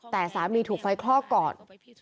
แต่สามีถูกไฟคลอกก่อน